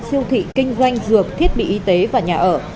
siêu thị kinh doanh dược thiết bị y tế và nhà ở